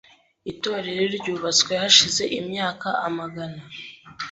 Itorero ryubatswe hashize imyaka amagana .